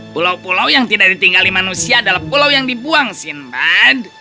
pulau pulau yang tidak ditinggali manusia adalah pulau yang dibuang sinbad